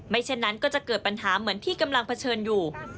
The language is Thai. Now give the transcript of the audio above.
เช่นนั้นก็จะเกิดปัญหาเหมือนที่กำลังเผชิญอยู่